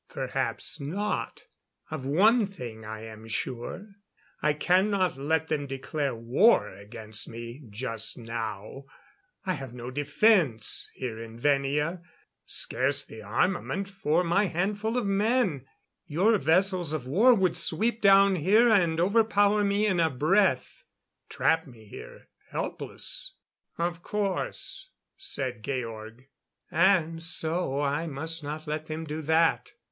Perhaps not. Of one thing I am sure. I cannot let them declare war against me just now. I have no defense, here in Venia. Scarce the armament for my handful of men. Your vessels of war would sweep down here and overpower me in a breath trap me here helpless " "Of course," said Georg. "And so I must not let them do that.